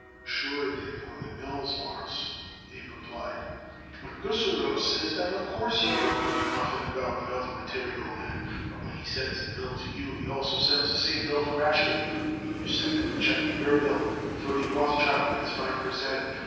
"Sure it did on the bills, Mawruss," Abe replied; "but Gussarow says that of course he don't know nothing about the other material men, but when he sends the bill to you he also sends the same bill to Rashkin, and when you send him a check for your bill, Ferdy Rothschild gets five per cent.